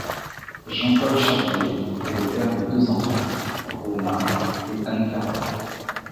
Jean-Paul Charié est le père de deux enfants, Romain et Anne-Carole.